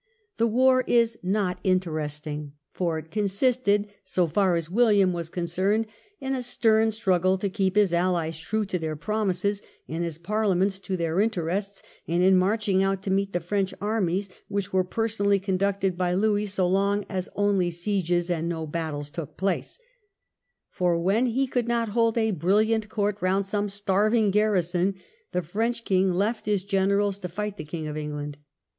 The war is not interesting, THE FRENCH FRONTIERS. 105 Io6 BATTLE OF LA" HOGUE. for it consisted, so far as William was concerned, in a stem struggle to keep his allies true to their promises and his Character of Parliaments to their interests, and in marching the war on the out to meet the French armies, which were Continent. personally conducted by Louis so long as only sieges and no battles took place. For when he could not hold a brilliant court round some starving garrison, the French king left his generals to fight the King of England.